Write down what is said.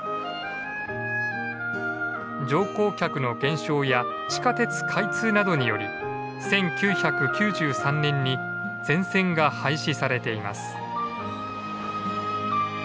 乗降客の減少や地下鉄開通などにより１９９３年に全線が廃止されています。